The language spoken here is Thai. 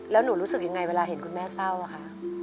แล้วหนูรู้สึกยังไงเวลาเห็นคุณแม่เศร้าอะคะ